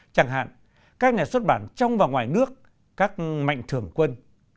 chẳng hạn các nhà xuất bản trong và ngoài nước các mạnh thường quân